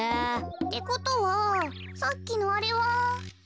ってことはさっきのあれは。